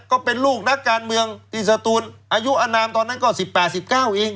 ก็เป็นลูกนักการเมืองดีสตูลอายุอนามตอนนั้นก็สิบแปดสิบเก้าเอง